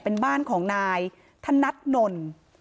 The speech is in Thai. เป็นบ้านของนายธนัดนนท์